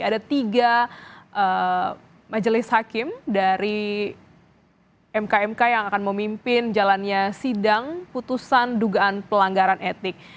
ada tiga majelis hakim dari mkmk yang akan memimpin jalannya sidang putusan dugaan pelanggaran etik